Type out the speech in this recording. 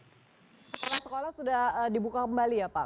sekolah sekolah sudah dibuka kembali ya pak